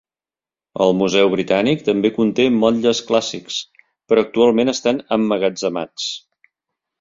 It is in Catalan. El Museu Britànic també conté motlles clàssics, però actualment estan emmagatzemats.